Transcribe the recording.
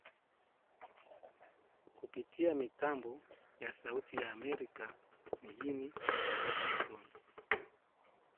kupitia mitambo ya Sauti ya Amerika mjini Washington